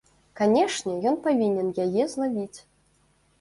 Канешне, ён павінен яе злавіць.